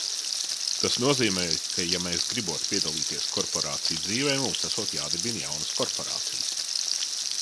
Tas nozīmējot, ka ja mēs gribot piedalīties korporāciju dzīvē, mums esot jādibina jaunas korporācijas.